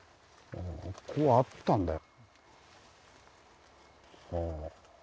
こうあったんだ。